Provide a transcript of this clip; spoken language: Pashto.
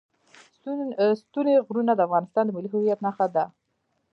ستوني غرونه د افغانستان د ملي هویت نښه ده.